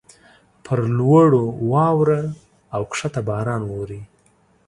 پر لوړو واوره اوکښته باران اوري.